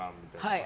はい。